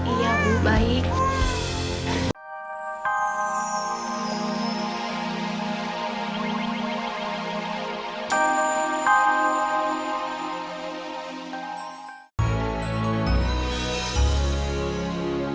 iya ibu baik